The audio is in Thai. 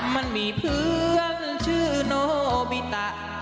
มันมีเพื่อนชื่อโนบิตะ